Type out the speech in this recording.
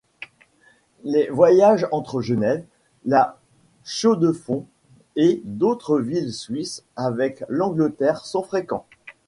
Les voyages entre Genève, La Chaux-de-Fonds et d’autres villes suisses avec l’Angleterre sont fréquents.